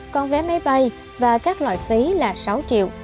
còn vé máy bay và các loại phí là sáu triệu